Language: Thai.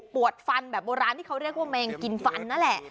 ฟันแบบโบราณที่เขาเรียกว่าแมงกินฟันนั่นแหละ